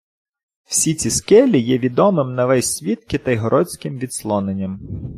Всі ці скелі є відомим на весь світ Китайгородським відслоненням.